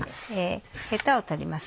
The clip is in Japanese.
ヘタを取ります。